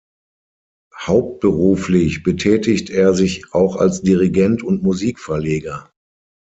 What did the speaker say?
Hauptberuflich betätigt er sich auch als Dirigent und Musikverleger.